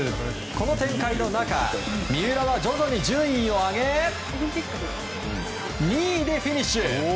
この展開の中三浦は徐々に順位を上げ２位でフィニッシュ。